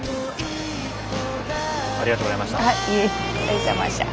いえありがとうございました。